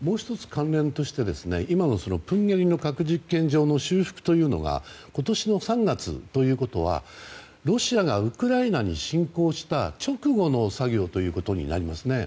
関連として、今のプンゲリの核実験場の修復というのが今年の３月ということはロシアがウクライナに侵攻した直後の作業ということになりますね。